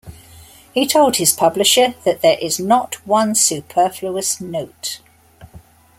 He told his publisher that "there is not one superfluous note".